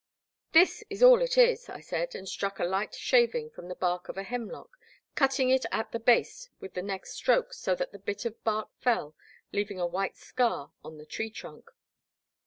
*'This is all it is, I said, and struck a light shaving from the bark of a hemlock, cutting it at the base with the next stroke so that the bit of bark fell, leaving a white scar on the tree trunk.